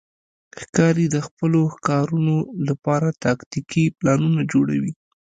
ښکاري د خپلو ښکارونو لپاره تاکتیکي پلانونه جوړوي.